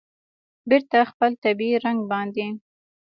بېرته خپل طبیعي رنګ باندې